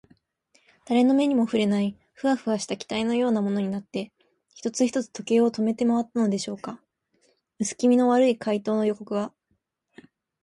だれの目にもふれない、フワフワした気体のようなものになって、一つ一つ時計を止めてまわったのでしょうか。うすきみの悪い怪盗の予告は、